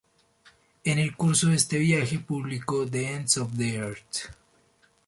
En el curso de este viaje publicó "The Ends of the Earth".